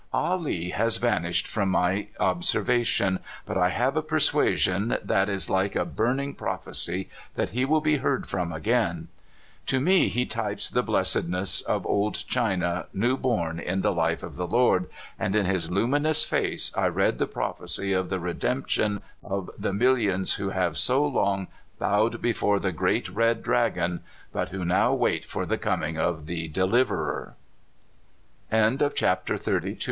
Ah Lee has vanished from my observation, but 1 have a persuasion that is like a burning proph ecy that he will be heard from again. To me he types the blessedness of old China new born in the life of the Lord, and in his luminous face I read the prophecy of the redemption of the millions who have so long bowed before the Great Red Dragon, but who now wait for the coming of the Deliverer. T